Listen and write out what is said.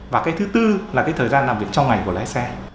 và cái thứ tư là cái thời gian làm việc trong ngày của lái xe